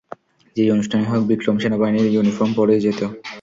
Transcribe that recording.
যেই অনুষ্ঠানই হোক, বিক্রম সেনাবাহিনীর ইউনিফর্ম পরেই যেত।